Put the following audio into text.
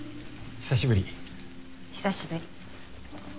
久しぶり。